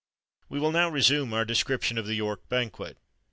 We will now resume our description of the York Banquet.